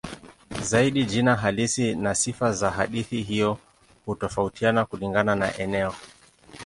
Zaidi jina halisi na sifa za hadithi hiyo hutofautiana kulingana na eneo.